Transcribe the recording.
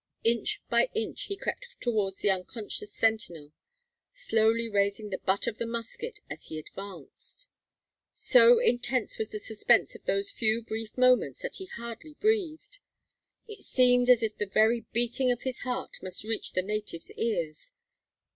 Inch by inch he crept towards the unconscious sentinel, slowly raising the butt of the musket as he advanced. So intense was the suspense of those few brief moments that he hardly breathed. It seemed as if the very beating of his heart must reach the native's ears.